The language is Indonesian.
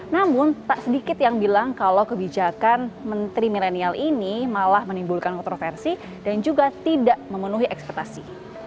namun tak sedikit yang bilang kalau kebijakan menteri milenial ini malah menimbulkan kontroversi dan juga tidak memenuhi ekspektasi